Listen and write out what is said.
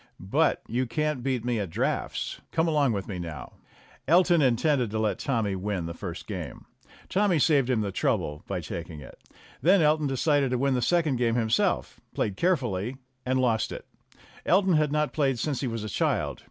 "But you can't beat me at draughts. Come along with you now." Elton intended to let Tommy win the first game. Tommy saved him the trouble by taking it. Then Elton decided to win the second game himself, played carefully and lost it. Elton had not played since he was a child.